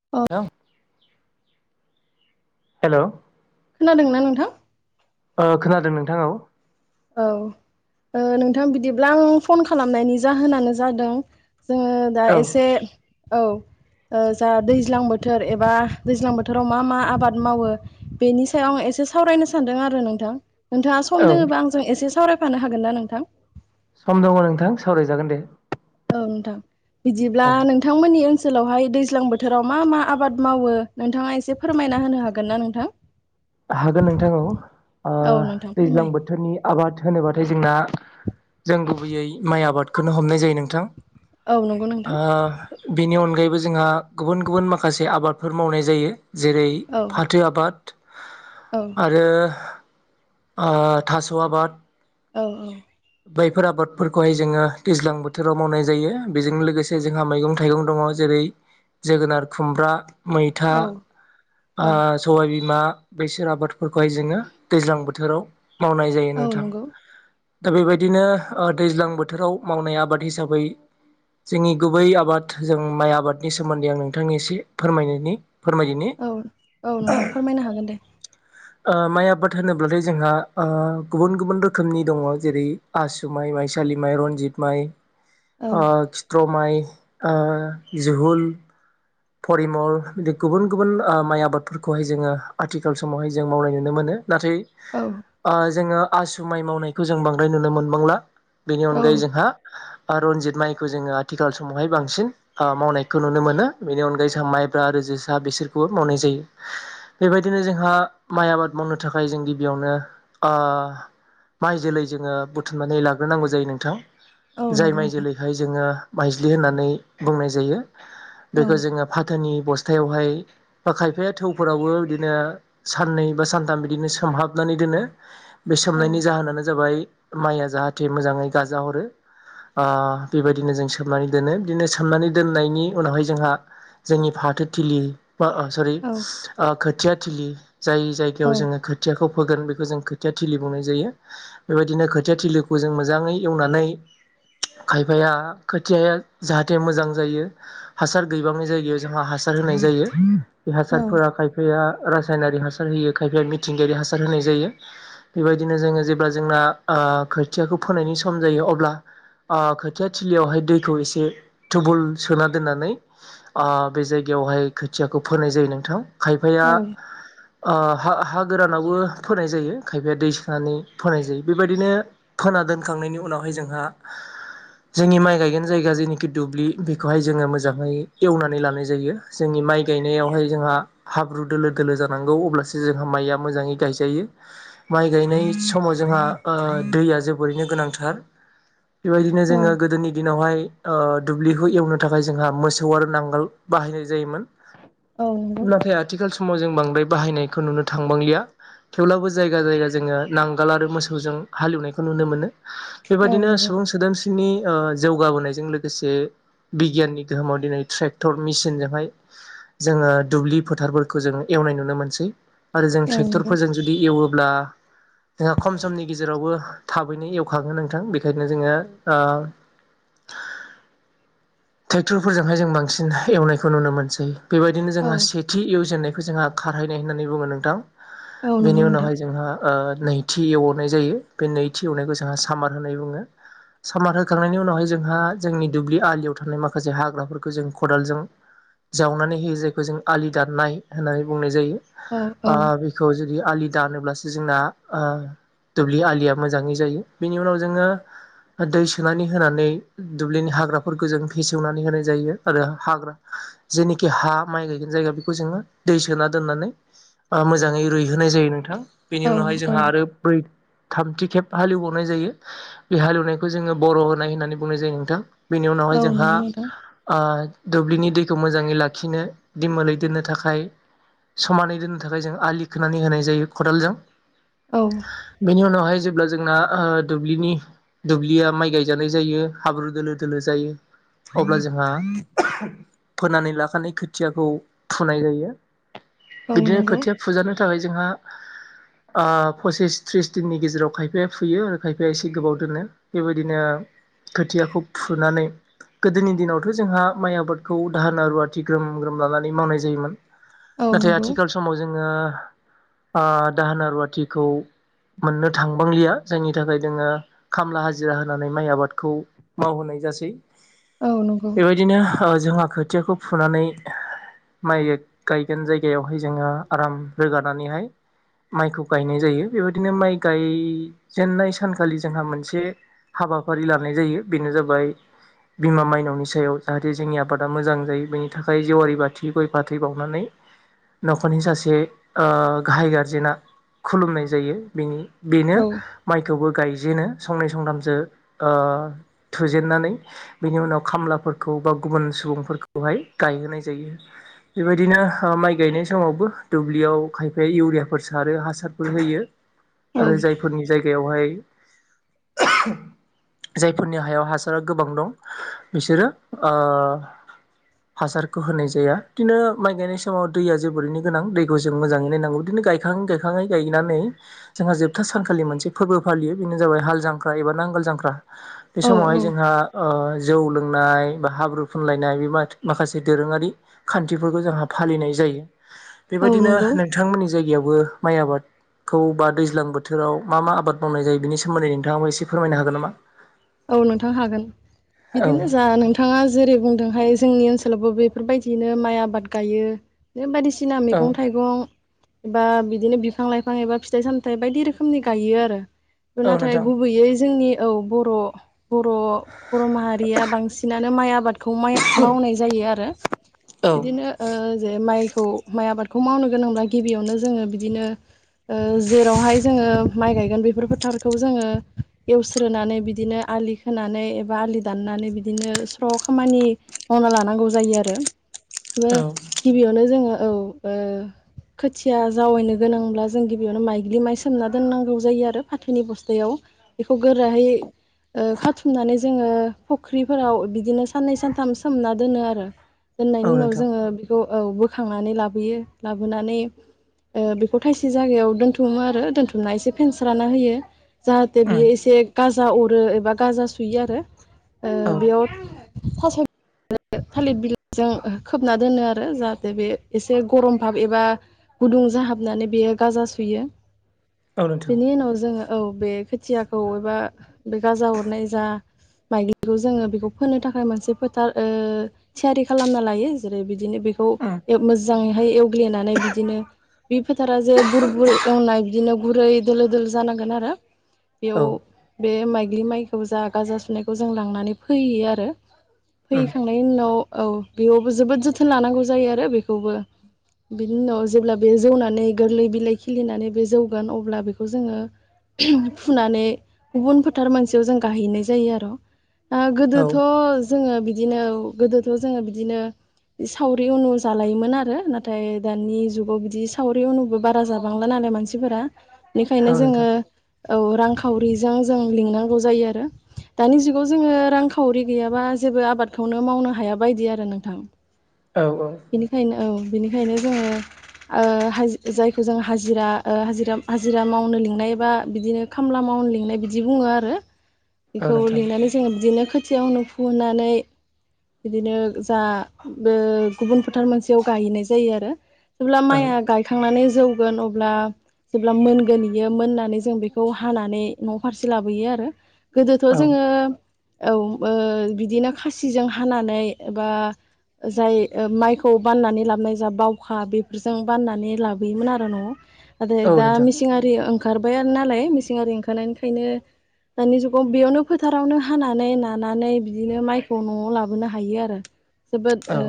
[unintelligible] Hello खोनादोंना नोंथां? ओ खोनादों नोंथां औ औ ओ नोंथां बिदिब्ला आं फन खालामनायनि जाहोनानो जादों जोंङो दा औ एसे औ ओ जा दैज्लां बोथोर एबा दैज्लां बोथोराव मा मा आबाद मावो बेनि सायाव आं एसे सावरायनो सानदों आरो नोंथां नोंथाङा सम औ दङोबा आंजों एसे सावरायफानो हागोन ना नोंथां? सम दङ नोंथां सावरायजागोन दे। औ नोंथां बिदिब्ला औ नोंथांमोननि ओनसोलावहाय दैज्लां बोथोराव मा मा आबाद मावो नोंथाङा एसे फोरमायना होनो हागोन ना नोंथां? हागोन नोंथां औ ओ औ नोंथां दैज्लां फोरमाय बोथोरनि आबाद होनोबाथाय जोंना जों गुबैयै माइ आबादखौनो हमनाय जायो नोंथां। औ नंगौ नोंथां ओ बेनि अनगा गायैबो जोंहा गुबुन गुबुन माखासे आबादफोर मावनाय जायो जेरै औ फाथो आबाद औ आरो ओ थास' आबाद औ औ बायफोर आबादफोरखौहाय जोंङो दैज्लां बोथोराव मावनाय जायो बेजों लोगोसे जोंहा मैगं थाइगं दङ जेरै रै जोगोनार खुमब्रा मैथा औ ओ औ सबाइबिमा बैसोर आबादफोरखौहाय जोङो दैज्लां बोथ बोथोराव मावनाय जायो औ नोंथां नंगौ दा बेबायदिनो ओ दैज्लां बोथोराव मावनाय आबाद हिसाबै जोंनि गुबै आबाद जों माइ आबादनि सोमोन्दै आं नोंथांनि एसे फोरमायनायनि फोरमायदिनि औ औ नोंथां फोरमायनो हागोन दे ओ माइ आबाद होनोब्लाथाय जोंहा गुबुन गुबुन रोखोमनि दङ जेरै आसु माइ माइसा सालि माइ रनजित माइ औ ओ खित्र माइ जहुल फरिमल बि गुबुन गुबुन ओ माइ आबादफोरखौहाय जोङो आथिखाल समावहाय जों मावनाय नुनो मोनो। नाथाय औ ओ जोङो आसु माइ मावनायखौ जों बांद्राय नुनो मोनबांला बेनि औ अनगायै जोंहा रनजित माइखौ जो़ङो आथिखाल समावहाय बांसिन मावनायखौ नुनो मोनो। बेनि अनगायै जोंहा माइब्रा आरो जोसा बेसोरखौ मावनाय जायो बेबायदिनो जोंहा माइ आबाद मावनो थाखाय जों गिबियावनो ओ माइ जोलै जोंङो बुथुमनानै लाग्रोनांगौ जायो नोंथां। औ जाय नंगौ माइ नोंथां जोलैहाय जोंङो माइज्लि होननानै बुंनाय जायो। औ बेखौ जोङो फाथोनि बस्थायावहाय बा खायफाया थौफोरावबो बिदिनो साननै बा सानथाम बिदिनो सोमहाबनानै नैदोनो बे औ सोमनायनि जाहोनानो जाबाय माइया जाहाथे मोजाङै गाजाहरो ओ बेबायदिनो जों सोमनानै दोनो बिदिनो सोमनानै दोननायनि उनावहाय जो जोंहा जोंनि फाथोथिलि बा सरि औ खोथिया थिलि जाय जायगायाव औ जोङो खोथियाखौ फोगोन बेखौ जों खोथिया थिलि बुंनाय जायो बेबायदिनो खोथिया थिलिखौ जों मोजाङै एवनानै खायफाया खोथियाया जाहाथे मोजां जायो हासार गैबांनाय जायगायाव जोंहा हासार होनाय जायो बे औ हासारफोरा खायफाया रासायनारि हासार होयो खायफाया मिथिंगायारि हासार होनाय जायो बेबायदिनो जोङो जेब्ला जोंना खोथियाखौ फोनायनि सम जायो अब्ला खोथिया थिलियावहाय दैखौ एसे थुबुल सोनानै दोननानै बे जायगायावहाय खोथियाखौ फोनाय जायो नोंथां खायफाया औ हा हा गोरानावबो फोनाय जायो खायफाया दै सोनानै फोनाय जायो बेबायदिनो फोना दोनखांनायनि उनावहाय जोंहा जोंनि माइ गायगोन जायगा जेनेखि दुब्लि बेखौहाय जो जोङो मोजाङै एवनानै लानाय जायो जोंनि माइ गायनायावहाय जोंहा हाब्रु दोलो दोलो जानांगौ खौ अब्लासो माइआ मोजाङै गायजायो माइगायनाय समाव जोंहा ओ दैआ जोबोरैनो गोनांथार [inaudible] बेबायदिनो औ जोङो गोदोनि दिनावहाय ओ दुब्लिखौ एवनो थाखाय जोंहा मोसौ आरो नांगोल बाहायनाय जायोमोन औ नंगौ नाथाय आथिखाल समाव जों बां बे बाहायनायखौ नुनो थांबांलिया थेवब्लाबो जायगा जायगा जोङो नांगोल आरो मोसौजों हालेवनायखौ नुनो मोनो औ बेबादिनो नंगौ सुबुं सोदोमस्रिनि जौगा बोनायजों लोगोसे बिगियाननि गोहोमाव दिनै ट्रेक्टर मिसिनजोंहाय जोङो दुब्लि फोथार जों एवनाय नाय नुनो मोनसै आरो जों औ नंगौ ट्रेक्टरफोरजों जुदि एवोब्ला जोंहा खम समनि गेजेरावबो थाबैनो एवखाङो नोंथां बेखायनो जोङो ट्रेक्टरफोरजोंहाय जों बांसिन एवनायखौ नुनो मोनसै बेबायदिनो औ जोंहा सेथि एवजेननाय बे जोंहा खारहैनाय होननानै बुङो नोंथां औ बेनि नंगौ नोंथां उनावहाय ओ जोंहा नै नैथि एवनाय जायो बे नैथि एवनायखौ जोंहा सामार होननानै बुङो सामार होखांनायनि उनावहाय जोंहा जोंनि दुब्लि आलियाव थां थानाय माखासे हाग्राफोरखौ जों खदालजों जावनानै होयो जायखौ जों आलि दाननाय होननानै बुंनाय जायो औ औ बेखौ जुदि आलि दानोब्लासो जोंना ओ दुब्लि आलिया मोजाङै जायो बेनि उनाव जोङो दै सोनानै होनानै दुब्लिनि हाग्राफोर गोजों फिसेवनानै होनाय जायो आरो हाग्रा जेनिखि हा माइ गायगोन जायगा बेखौ जोङो दै सोना दोननानै मोजाङै रुइहोनाय जायो नोंथाङा बेनि औ उनावहाय औ जोंहा आरो ब्रै थामथि खेब हालेवबावनाय जायो बे हालेवनायखौ जोङो बर' होनाय होननानै बुंनाय जायो नोंथां बेनि उनाव औ जोंहा नंगौ नोंथां ओ दुब्लिनि दैखौ मोजाङै लाखिनो दैमोलै दोननो थाखाय समानै दोननो थाखाय जों आलि खोनानै होनाय जायो खदालजों औ बेनि उनावहाय जेब्ला जोंना दुब्लिनि दुब्लिया माइ गायजानाय जायो हाब्रु दोलो दोलो जायो अब्ला जोंहा फोनानै लाखानाय खोथियाखौ फुनाय जायो औ बिदिनो नंगौ खोथिया फुजानो थाखाय जोंहा ओ पसिस थ्रिस दिननि गेजेराव खायफाया फैयो आरो खायफाया एसे गोबाव दोनो बेबायदिनो खोथियाखौ फुनानै गोदोनि दिनावथ' जोंहा माइ आबादखौ दाहोना रुवाथि ग्रोम ग्रोम लानानै मावनाय जायोमोन औ नाथाय नंगौ आथिखाल समाव जोङो दाहोना रुवाथिखौ मोननो थांबांलिया जायनि थाखाय जोङो खामला हाजिरा होनानै माइ आबादखौ मावहोनाय जासै औ नंगौ बेबायदिनो जोंहा खोथियाखौ फुनानै माइ गायगोन जायगायावहाय जोङो आराम रोगानानैहाय माइखौ गायनाय जायो बेबायदिनो माइ गायजेननाय सानखालि जोंहा मोनसे हाबाफारि लानाय जायो बेनो जाबाय बिमा माइनावनि सायाव जाहाथे जोंनि आबादा मोजां जायो बेनि थाखाय जेवारि बाथि गय फाथै बावनानै न'खरनि सासे ओ गाहाय गारजेना खुलुमनाय जायो बिनि बेनो औ माइखौबो गाय बिनो संनै संथामसो थुजेननानै बिनि उनाव खामलाफोरखौ बा गुबुन सुबुंफोरखौहाय गायहोनाय जायो बेबायदिनो माइ गायनाय समावबो दुब्लियाव खायफाया इउरियाफोर सारो हासारफोर होयो औ आरो जायफोरनि जायगायावहाय जायफोरनि हायाव हासारा गोबां दं बिसोरो ओ हासारखौ होनाय जाया बिदिनो माइ गायनाय समाव दैया जोबोरैनो गोनां दैखौ जों मोजाङै नायनांगौ बिदिनो गखा गायखाङै गायनानै जोंहा जोबथा सानखालि मोनसे फोरबो फायो बेनो जाबाय हाल जांक्रा एबा नांगोल जांख्रा बे औ समावहाय औ जोंहा ओ जौ लोंनाय बा हाब्रु फोनलायनाय बे माखासे दोरोङारि खान्थिफोरखौ जोंहा फालिनाय जायो। औ बेबायदिनो नंगौ नोंथांमोननि जायगायावबो माइ आबाद खौ बा दैज्लां बोथोराव मा मा आबाद मावनाय जायो बेनि सोमोन्दै नोंथाङाबो एसे फोरमायनो हागोन नामा? औ नोंथां हागोन औ बिदिनो जा नोंथाङा जेरै बुंदोंहाय जोंनि ओसोलाव ओनसोलावबो बेफोरबायदिनो माइ आबाद गायो बायदिसिना औ मैगं थाइगं एबा बिदिनो बिफां लाइफां एबा फिथाइ सामथायाइ बायदि रोखोमनि गायो आरो। औ नाथाय नोंथां गुबैयै जोंनि औ बर' बर' बर' माहारिया बांसिनानो माइ आबादखौ माइ मावनाय जायो आरो। औ बिदिनो ओ जे माइखौ माइ आबादखौ मावनो गोनांब्ला गिबियावनो जोङो बिदिनो ओ जेरावहाय जोङो माइ गायगोन बेफोर फोथारखौ जोङो एवस्रोनानै बिदिनो आलि खोनानै एबा आलि दाननानै बिदिनो स्र' खामानि मावना लानांगौ जायो आरो। औ गिबियावनो जोङो औ ओ खोथिया जावैनो गोनांब्ला जों गिबियावनो माइज्लि माइ सोमना दोननांगौ जायो आरो फाथोनि बस्थायाव खौ गोराहै ओ खाथुमनानै जोङो फुख्रिफोराव बिदिनो साननै सानथाम सोमना दोनो आरो। दोननायनि औ उनाव नोंथां जोङो बेखौ औ बोखांनानै लाबोयो लाबोनानै ओ बेखौ थाइसे जायगायाव दोनथुमो आरो दोनथुमना एसे फेनस्राना होयो। जाहाथे उम बियो एसे गाजा अरो एबा गाजा सुयो आरो ओ औ बेयाव थास' थालिर बिलाइजों खोबना दोनो आरो जाहाथे बे एसे गरम ह एबा गुदुं दुं जाहाबनानै बेयो गाजा सुयो। औ नोंथां बेनि उनाव जोङो औ बे खोथियाखौ एबा बे गाजा हरनाय जा माइग्लिखौ जोङो बेखौ फोनो थाखाय मोनसे फोथार ओ थियारि खालामना लायो जेरै बिदि बिदिनो बेखौ मोजांयैहाय बग्लेनानै बिदिनो बे फोथारा जे बुर बुर एवनाय बिदिनो गुरै दोलो दोलो जानांगोन आरो औ बेयाव बे माइ बे माइखौ जागााजा सुनायखौ जों लांनानै फैयो आरो उम फैैखांनायनि उनाव औ बेयावबो जोबोद जोथोन लानांगौ जायो आरो बेखौबो बिनि उनाव जेब्ला बे जौनानै गोरलै बिलाइ खिलिनानै बे जौगोन अब्ला बेखौ जोङो फुनानै गुबुनफोर थार मोनसेयाव जों गाहैनाय जायो आर औ गोदोथ जोङो बिदिनो गोदोथ जोङो बिदिनो सावरि उनु जालायोमोन आरो नाथाय दानि जुगाव बिदि सावरि उनुबो बारा जाबांला ना बुंनाय मानसिफोरा बेखायनो औ ‌जों नोंथां औ रांखाउरिजों जों लिंनांगौ जायो आरो दानि जुगाव जोङो रांखावरि गैयाबा जेबो आबादखौनो मावनो हाया बायदि आरो नोंथां। औ औ बेनिखायनो औ बिनिखायनो जोङो ओ हा जायखौ जों हाजिरा ओ हाजिरा हाजिरा मावनो लिंनाय बा बिदिनो खामला माव औ नोंथां [inaudible] खोथियावनो फुहोननानै बिदिनो जा बे गुबुन फोथार मोनसेयाव गायहैनाय जायो आरो जेब्ला औ माइआ गायखांनानै जौगोन अब्ला जेब्ला मोनगोन बियो मोननानै जों बेखौ हानानै न' फारसे लाबोयो आरो गोदोथ औ जोङो औ ओ बिदिनो खासिजों हानानै बा जाय ओ माइखौ बाननानै लाबोनाय जा बावखा बेफोरजों बाननानै लाबोयोमोन आरो न'आव आरो औ दा नोंथां मेसिं आरि ओंखारबायआनो आरो नालाय मेसिं आरि ओंखारनायनिफायनो दानि जुगाव बेयावनो फोथारावनो हानानै नानानै बिदिनो माइखौ न'आव लाबोनो हायो आरो [inaudible] औ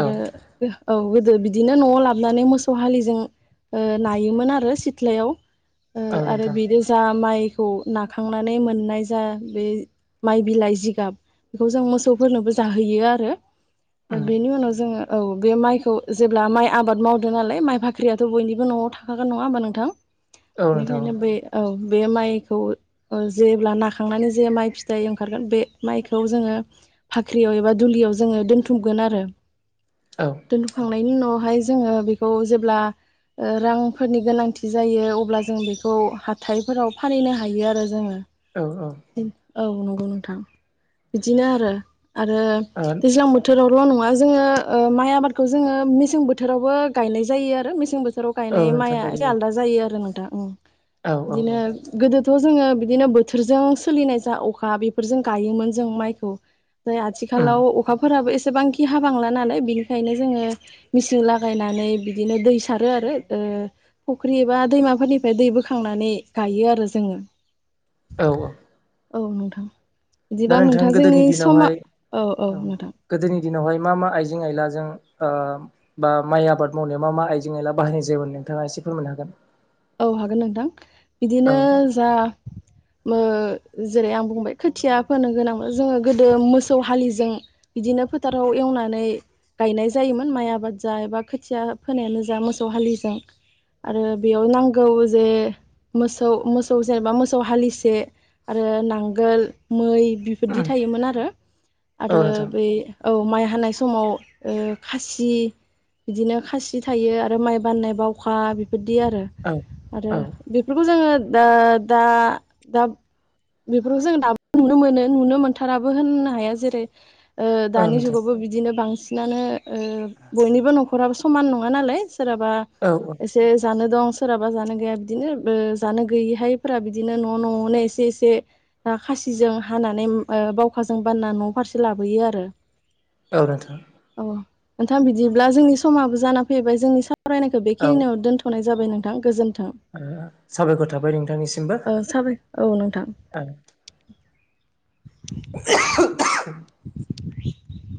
औ बे औ गोदो बिदिनो न'आव लाबोनानै मोसौ हालिजों ओ नायोमोन आरो सिथ्लायाव। ओ औ आरो नोंथां बेनो जा माइ खौ नाखांनानै मोननाय जा बे माइ बिलाइ जि गाब बेखौ जों मोसौफोरनोबो जाहोयो आरो। दा उम बेनि उनाव जोङो औ बे माइखौ जेब्ला माइ आबाद मावदों नालाय माइ भाख्रियाथ' बयनिबो नौ न'औ थाखागोन नङा होमबा नोंथां औ नोंथां बेनिखायनो बे औ। बे माइखौ जेब्ला नाखांनानै जे माइ फिथाइ ओंखारगोन बे माइखौ जोङो भाख्रियाव एबा दुलियाव जोङो दोनथुमगोन आरो। औ दोनथ'खांनायनि उनावहाय जोङो बेखौ जेब्ला रांफोरनि गोनांथि जायो अब्ला जों बेखौ हाथायफोराव फानेनो हायो आरो जोङो। औ औ औ नंगौ नोंथां बिदिनो आरो आरो ओ दैज्लां बोथोरावल' नङा जोङो ओ माइ आबादखौ जोङो मेसें बोथोरावबो गायनाय जायो आरो मेसें बोथ थोराव औ गायनाय नोंथां माइआ एसे गायो आलदा जायो आरो नोंथां उम औ औ औ बिदिनो गोदोथ' जोङो बिदिनो बोथोरजों सोलिनाय जा अखा बेफोरजों गायोमोन जों माइखौ। नै उम आथिखालाव अखाफोराबो एसे एसेबांखि हाबांला नालाय बिनिखायनो जोङो मेचिन लागायनानै बिदिनो दै सारो आरो। ओ फुख्रि एबा दैमाफोरनिफ्राय दै बोखांनानै गायो आरो जोङो। औ औ औ नोंथां दा बिदिबा नोंथां जोंनि गोदोनि समा दिनावहाय औ औ नोंथां। दिनावहाय मा मा आइजें आइलाजों ओ बा माइ आबाद मावनायाव मा मा आइजें आइला बाहायनाय जायोमोन नों नोंथाङा एसे फोरमायनो हागोन औ हागोन नोंथां औ बिदिनो जा ओ जेरै आं बुंबाय खोथिया फोनो गोनां जोङो गोदो मोसौ हालिजों बिदिनो फोथाराव एवनानै गायनाय जायोमोन माइ आबाद जा एबा खोथिया फोनायानो जा मोसौ हालिजों। आरो बेयाव नांगौ जे मोसौ मोसौ जेनेबा मोसौ हालिसे आरो नांगोल मै बिबायदि थायोमोन आरो औ आरो नोंथां बे औ माइ हानाय समाव खासि बिदिनो खासि थायो आरो माइ बान्नाय बावखा बेबायदि आरो। औ आरो औ बेफोरखौ जोङो दा दा बेफोरखौ जों दाबो नुनो मोनो नुनो मोनथाराबो होननो हाया जेरै ओ औ दानि नोंथां जुगावबो बिदिनो बांसिनानो ओ बयनिबो न'खराबो समान नङा नालाय सोरहाबा औ औ एसे जानो दं। सोरहाबा जानो गैया बिदिनो जानो गैयैहायफोरा बिदिनो न' न'आवनो एसे एसे खा खुसिजों हानानै ओ‌ बावखाजों बानना न' फारसे लाबोयो आरो। ओ नोंथां। औ नोंथां बिदिब्ला जोंनि समाबो जाना फैबाय जोंनि सावरायनायखौ औ बेखिनियाव ओ दोन्थ'नाय जाबाय नोंथां गोजोन थों साबायखर थाबाय नोंथांनिसिमबो औ साबाय औ नोंथां। ओ [inaudible] [inaudible]